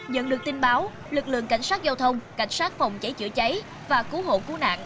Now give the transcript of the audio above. nhận được tin báo lực lượng cảnh sát giao thông cảnh sát phòng cháy chữa cháy và cứu hộ cứu nạn